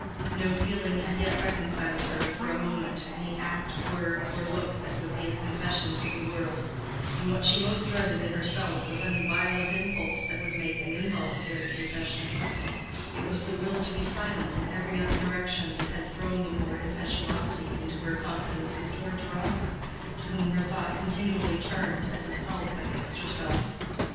No feeling had yet reconciled her for a moment to any act, word, or look that would be a confession to the world: and what she most dreaded in herself was any violent impulse that would make an involuntary confession: it was the will to be silent in every other direction that had thrown the more impetuosity into her confidences toward Deronda, to whom her thought continually turned as a help against herself.